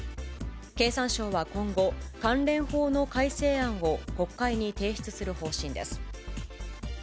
経産省は今後、関連法の改正案を国会に提出する方針です。